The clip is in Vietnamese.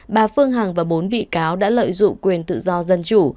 bà phương hằng và bốn bị cáo đã lợi dụng quyền tự do dân chủ